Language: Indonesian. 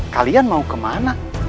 kalian mau kemana